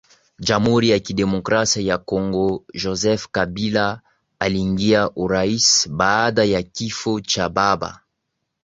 Jamhuri ya Kidemokrasia ya KongoJoseph Kabila Aliingia urais baada ya kifo cha baba